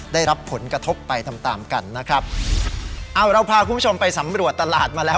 ได้รับผลกระทบไปตามตามกันนะครับเอาเราพาคุณผู้ชมไปสำรวจตลาดมาแล้ว